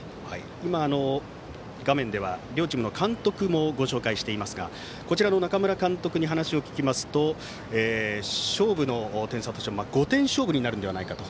今、画面では両チームの監督もご紹介していますが中村監督に話を聞きますと勝負の点差としては５点勝負になるのではないかと。